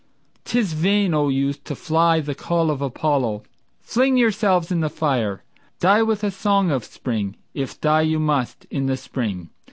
'Tis vain, O youth, to fly the call of Apollo. Fling yourselves in the fire, die with a song of spring, If die you must in the spring.